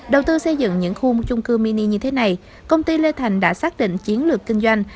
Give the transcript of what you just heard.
đầu tư xây dựng những khu chung cư mini như thế này công ty lê thành đã xác định chiến lược kinh doanh